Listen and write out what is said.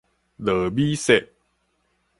落米雪